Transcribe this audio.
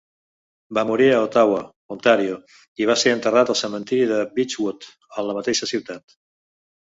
Va morir a Ottawa, Ontario, i va ser enterrat al cementiri de Beechwood a la mateixa ciutat.